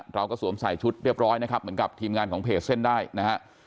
สวมใส่ชุดเรียบร้อยนะครับเหมือนกับทีมงานของเพจเส้นได้นะฮะ